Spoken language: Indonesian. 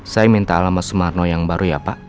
saya minta alamat sumarno yang baru ya pak